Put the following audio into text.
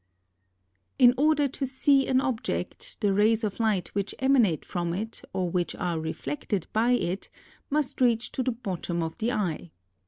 In order to see an object, the rays of light which emanate from it, or which are reflected by it, must reach to the bottom of the eye.